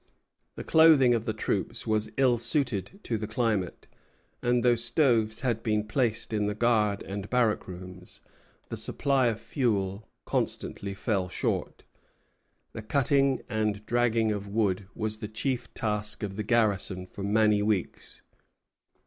The clothing of the troops was ill suited to the climate, and, though stoves had been placed in the guard and barrack rooms, the supply of fuel constantly fell short. The cutting and dragging of wood was the chief task of the garrison for many weeks.